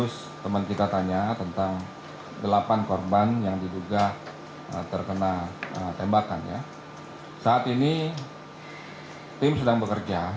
tough teman kita tanya tentang delapan korban yang kita terkena tembakan ya saat ini tim sedang bekerja